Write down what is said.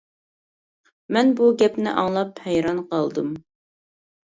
مەن بۇ گەپنى ئاڭلاپ ھەيران قالدىم.